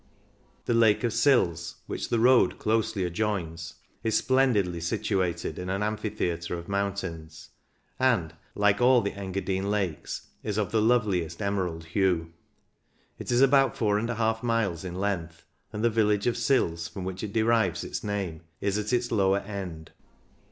The Lake of Sils, which the road closely adjoins, is splendidly situated in an amphitheatre of mountains, and, like all the Engadine lakes, is of the loveliest emerald hue. It is about 4^ miles in length, and the village of Sils from which it derives its name is at its lower end.